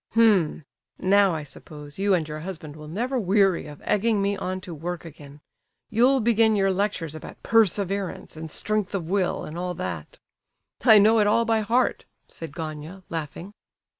"H'm! now, I suppose, you and your husband will never weary of egging me on to work again. You'll begin your lectures about perseverance and strength of will, and all that. I know it all by heart," said Gania, laughing.